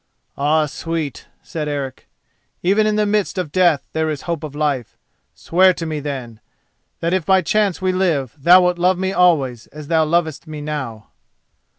"Ah, sweet," said Eric, "even in the midst of death there is hope of life. Swear to me, then, that if by chance we live thou wilt love me always as thou lovest me now."